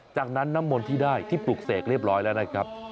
จากนั้นน้ำมนต์ที่ได้ที่ปลุกเสกเรียบร้อยแล้วนะครับ